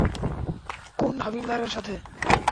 কোন হাবিলদারের সাথে?